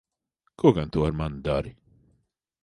Ko gan tu ar mani dari?